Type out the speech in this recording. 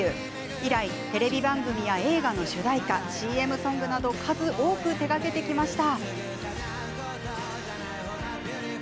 以来、テレビ番組や映画の主題歌ＣＭソングを数多く手がけてきました。